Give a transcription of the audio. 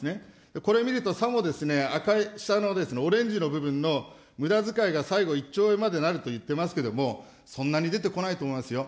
これ見ると、さも赤い下のオレンジの部分のむだづかいが最後、１兆円までになるといっていますけれども、そんなに出てこないと思いますよ。